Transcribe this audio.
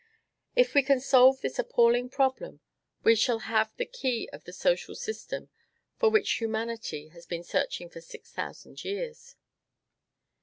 If we can solve this appalling problem, we shall have the key of the social system for which humanity has been searching for six thousand years.